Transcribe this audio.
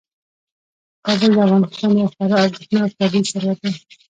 کابل د افغانستان یو خورا ارزښتناک طبعي ثروت دی.